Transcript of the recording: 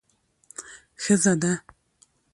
ښځه ده.